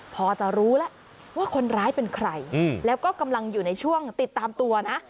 พอจะรู้แล้วว่าคนร้ายเป็นใครแล้วก็กำลังอยู่ในช่วงติดตามตัวนะ